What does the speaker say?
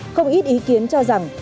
không ít ý kiến cho rằng